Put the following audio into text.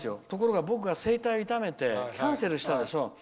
ところが僕が声帯を痛めてキャンセルしたでしょ。